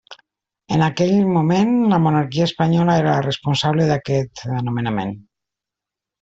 En aquell moment la monarquia espanyola era la responsable d'aquest nomenament.